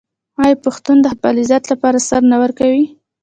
آیا پښتون د خپل عزت لپاره سر نه ورکوي؟